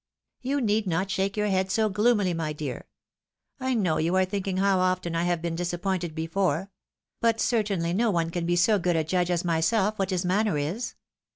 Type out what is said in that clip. You need not shake your head so gloomily, my dear. I know you are thinking how often I have been disap pointed before ; but certainly no one can be so good a judge as myself what his manner is.